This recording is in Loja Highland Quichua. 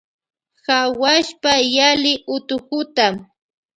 Hawuashpa yali utukuta.